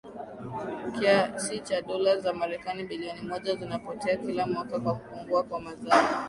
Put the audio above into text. Kiasi cha dola za Marekani bilioni moja zinapotea kila mwaka kwa kupungua kwa mazao